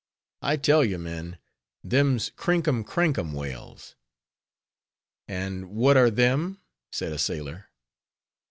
I tell ye, men, them's Crinkum crankum whales." "And what are them?" said a sailor.